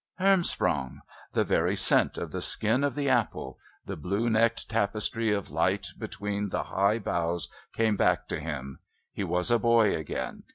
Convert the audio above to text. Hermsprong! the very scent of the skin of the apple, the blue necked tapestry of light between the high boughs came back to him. He was a boy again....